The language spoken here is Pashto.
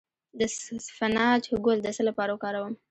د اسفناج ګل د څه لپاره وکاروم؟